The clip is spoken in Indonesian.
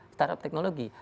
start up teknologi